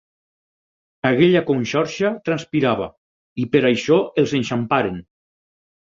Aquella conxorxa transpirava, i per això els enxamparen.